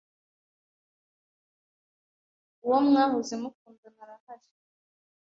uwo mwahoze mukundana arahari